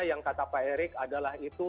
yang kata pak erik adalah itu